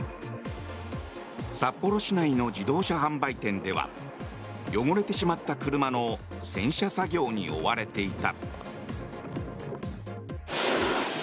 札幌市内の自動車販売店では汚れてしまった車の洗車作業に追われていた。